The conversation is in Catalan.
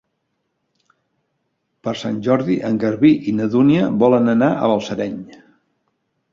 Per Sant Jordi en Garbí i na Dúnia volen anar a Balsareny.